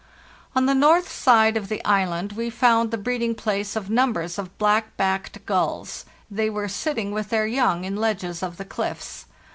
"On the north side of the island we found the breed ing place of numbers of black backed gulls; they were sitting with their young in ledges of the cliffs.